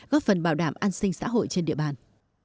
góp phần bảo đảm an sinh xã hội trên địa bàn